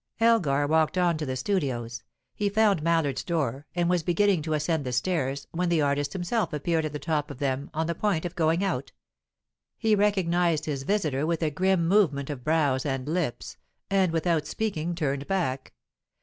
Elgar walked on to the studios. He found Mallard's door, and was beginning to ascend the stairs, when the artist himself appeared at the top of them, on the point of going out. He recognized his visitor with a grim movement of brows and lips, and without speaking turned back.